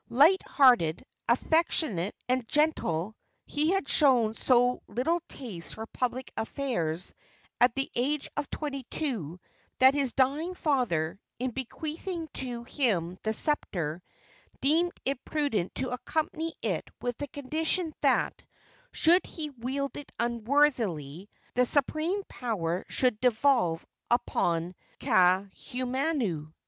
Light hearted, affectionate and gentle, he had shown so little taste for public affairs at the age of twenty two that his dying father, in bequeathing to him the sceptre, deemed it prudent to accompany it with the condition that, should he wield it unworthily, the supreme power should devolve upon Kaahumanu.